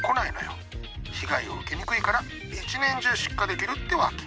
被害を受けにくいから１年中出荷できるってわけ。